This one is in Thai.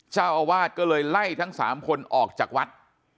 เจ้าอาวาสก็เลยไล่ทั้ง๓คนออกจากวัด